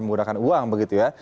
menggunakan uang begitu ya